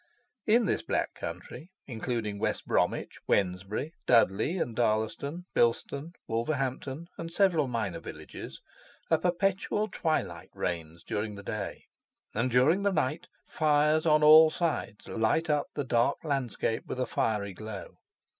In this Black Country, including West Bromwich, Wednesbury, Dudley, and Darlaston, Bilston, Wolverhampton, and several minor villages, a perpetual twilight reigns during the day, and during the night fires on all sides light up the dark landscape with a fiery glow.